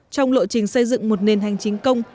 trong lộ trình xây dựng một nền hành chính công